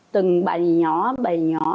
từng bài nhỏ bài nhỏ